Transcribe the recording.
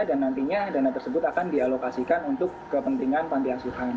dan nantinya dana tersebut akan dialokasikan untuk kepentingan pantiasuhan